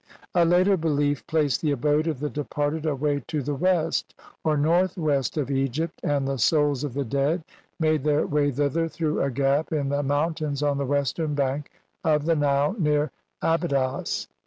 A later belief placed the abode of the departed away to the west or north west of Egypt, and the souls of the dead made their way thither through a gap in the mountains on the western bank of the Nile near Aby dos.